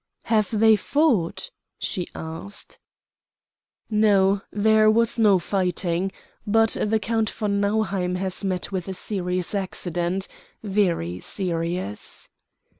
"Have they fought?" she asked. "No, there was no fighting; but the Count von Nauheim has met with a serious accident very serious."